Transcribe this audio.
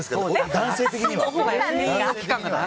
男性的には。